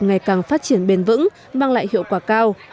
ngày càng phát triển bền vững mang lại hiệu quả cao